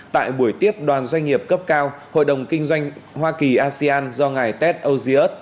tại buổi tiếp đoàn doanh nghiệp cấp cao hội đồng kinh doanh hoa kỳ asean do ngài ted osius